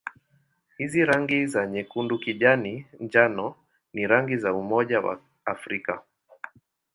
Hizi rangi za nyekundu-kijani-njano ni rangi za Umoja wa Afrika.